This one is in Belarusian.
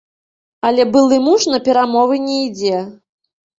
Але былы муж на перамовы не ідзе.